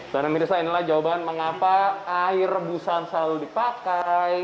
bapak ibu mirza inilah jawaban mengapa air rebusan selalu dipakai